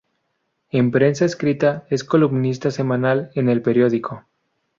En prensa escrita, es columnista semanal en El Periódico.